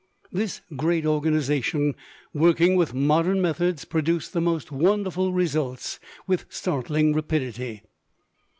This great organization, working with modern methods, produced the most wonderful results with startling rapidity.